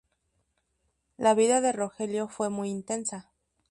La vida de Rogelio fue muy intensa.